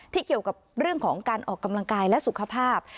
เกี่ยวกับเรื่องของการออกกำลังกายและสุขภาพ